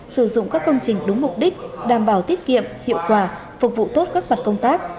sử dụng các công trình đúng mục đích đảm bảo tiết kiệm hiệu quả phục vụ tốt các mặt công tác